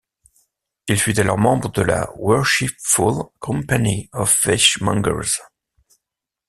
Il fut alors membre de la Worshipful Company of Fishmongers.